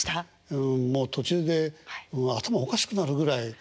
うんもう途中で頭おかしくなるぐらい。